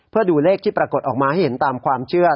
เพื่อดูเลขที่ปรากฏออกมาให้เห็นตามความเชื่อ